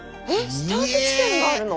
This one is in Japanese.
スタート地点があるの？